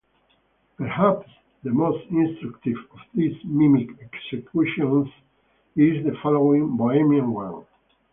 Perhaps the most instructive of these mimic executions is the following Bohemian one.